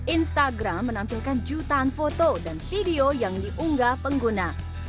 instagram menampilkan jutaan foto dan video yang diunggah pengguna